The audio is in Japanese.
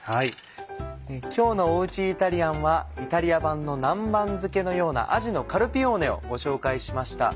今日のおうちイタリアンはイタリア版の南蛮漬けのような「あじのカルピオーネ」をご紹介しました。